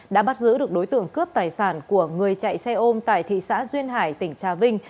đã bắt giữ được đối tượng cướp tài sản của người chạy xe ôm tại thị xã duyên hải tỉnh trà vinh